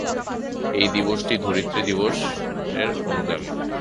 এই দিবসটি ধরিত্রী দিবসের অনুগামী।